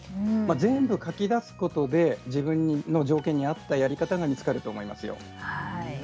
全部書き出すことで自分の条件に合ったやり方が見つかると思いますよ。